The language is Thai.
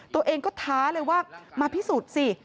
ตัวเองก็ท้าเลยว่ามาพิสูจน์สิ